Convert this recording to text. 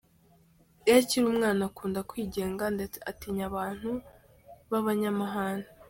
Iyo akiri umwana akunda kwigenga ndetse atinya abantu b’abanyamahane.